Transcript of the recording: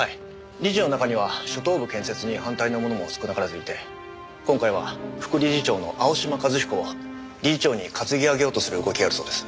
理事の中には初等部建設に反対の者も少なからずいて今回は副理事長の青嶋一彦を理事長に担ぎ上げようとする動きがあるそうです。